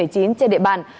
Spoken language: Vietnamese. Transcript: trên địa bàn